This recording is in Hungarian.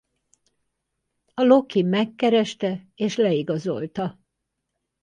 A Loki megkereste és leigazolta.